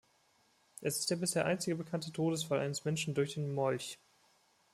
Es ist der bisher einzige bekannte Todesfall eines Menschen durch den Molch.